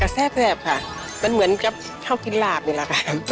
แทรกแลบค่ะมันเหมือนกับข้าวกินหลาบนี่แหละค่ะ